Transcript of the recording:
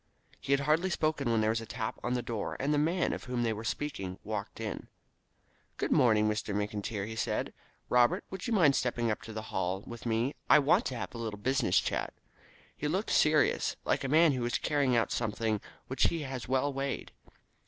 He had hardly spoken when there was a tap at the door, and the man of whom they were speaking walked in. "Good morning, Mr. McIntyre," said he. "Robert, would you mind stepping up to the Hall with me? I want to have a little business chat." He looked serious, like a man who is carrying out something which he has well weighed.